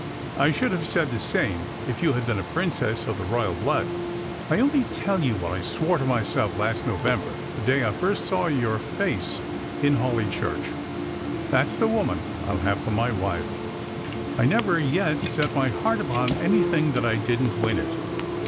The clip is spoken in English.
I should have said the same if you had been a princess of the blood royal. I only tell you what I swore to myself last November, the day I tirst saw your face in Hawleigh church : That's the woman I'll have for my wife. I never yet set my heart upon anything that I didn't win it.